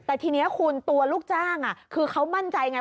แต่ทีนี้คุณตัวลูกจ้างคือเขามั่นใจไง